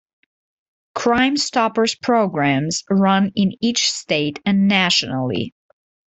Crime Stoppers programs run in each state and nationally.